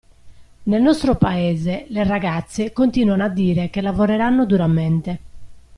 Nel nostro paese, le ragazze continuano a dire che lavoreranno duramente.